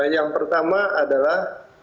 yang pertama adalah